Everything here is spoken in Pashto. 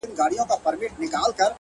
o د وحشت؛ په ښاریه کي زندگي ده؛